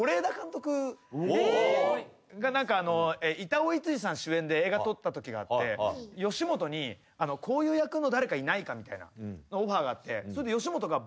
板尾創路さん主演で映画撮ったときがあって吉本にこういう役の誰かいないかみたいなオファーがあってそれで吉本が。